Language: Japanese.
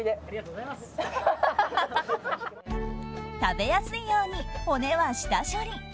食べやすいように骨は下処理。